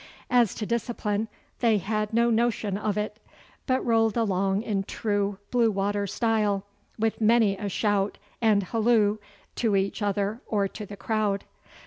As to discipline, they had no notion of it, but rolled along in true blue water style, with many a shout and halloo to each other or to the crowd.